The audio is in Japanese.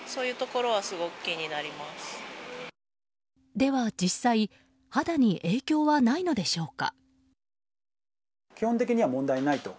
では実際肌に影響はないのでしょうか。